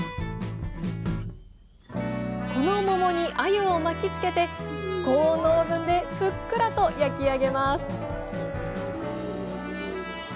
この桃にあゆを巻きつけて高温のオーブンでふっくらと焼き上げます